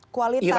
kualitas ritme ya